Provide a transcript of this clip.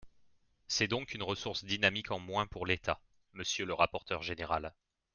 C’est donc une ressource dynamique en moins pour l’État, monsieur le rapporteur général